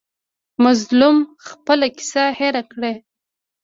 مظلوم خپله کیسه هېر کړي.